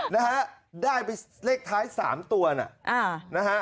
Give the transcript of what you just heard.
นะฮะได้ไปเลขท้าย๓ตัวนะ